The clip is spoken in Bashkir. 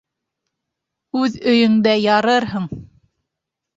Үҙ өйөңдә ярырһың!